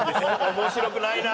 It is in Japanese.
面白くないな。